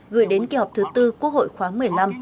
gửi đến kỳ họp thứ tư quốc hội khoáng một mươi năm